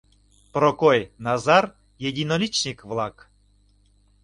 Прокой, Назар — единоличник-влак.